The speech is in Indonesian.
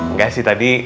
nggak sih tadi